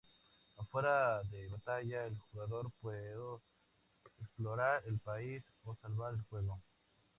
Afuera de batalla, el jugador puede explorar el país o salvar el juego.